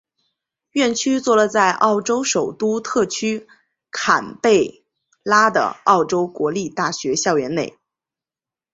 院区座落在澳洲首都特区坎培拉的澳洲国立大学校园内。